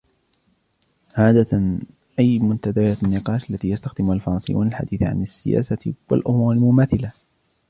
عادةً, أي منتديات النقاش التي يستخدمها الفرنسيون للحديث عن السياسة والأُمور المماثلة ؟